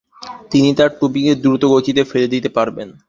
তিনি তার টুপিকে দ্রুতগতিতে ফেলে দিতে পারবেন।